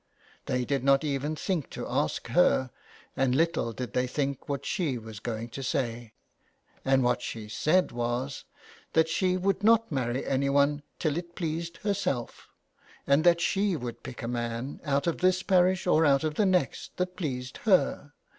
They did not even think to ask her, and little did they think what she was going to say, and what she said was that she would not marry any one until it pleased her self, and that she would pick a man out of this parish or out of the next that pleased her.